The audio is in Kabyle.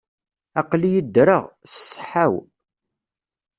Aql-iyi ddreɣ, s ṣṣeḥḥa-w.